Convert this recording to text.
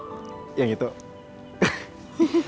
itu jelek banget bimo